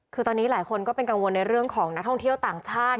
คือตอนนี้หลายคนก็เป็นกังวลในเรื่องของนักท่องเที่ยวต่างชาติ